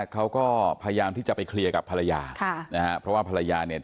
เขาก็พยายามที่จะไปเคลียร์กับภรรยาค่ะนะฮะเพราะว่าภรรยาเนี่ย